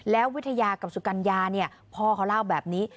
แล้ววิทยากับสุกัญญาเนี่ยพ่อเขาเล่าแบบนี้